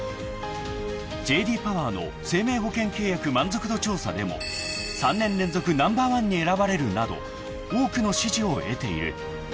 ［Ｊ．Ｄ．ＰＯＷＥＲの生命保険契約満足度調査でも３年連続ナンバーワンに選ばれるなど多くの支持を得ている］